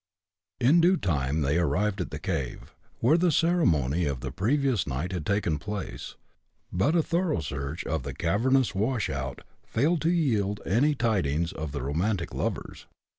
In due time they arrived at the cave, where the ceremony of the previous night had taken place, but a thorough search of the cavernous wash out failed to yield any tidings of the romantic lovers.